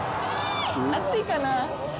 熱いかな。